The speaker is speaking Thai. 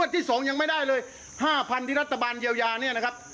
ที่๒ยังไม่ได้เลย๕๐๐ที่รัฐบาลเยียวยาเนี่ยนะครับ